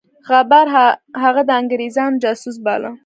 غبار هغه د انګرېزانو جاسوس باله.